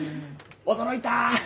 驚いた。